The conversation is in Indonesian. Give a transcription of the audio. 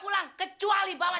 kau mau ngasih apa